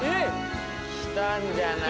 きたんじゃない？